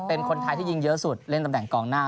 เป็นคนไทยที่ยิงเยอะสุดเล่นตำแหน่งกองหน้า